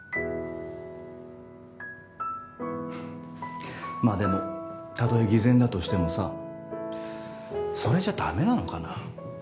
ふっまあでもたとえ偽善だとしてもさそれじゃだめなのかな。